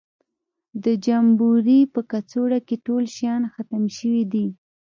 د جمبوري په کڅوړه کې ټول شیان ختم شوي دي.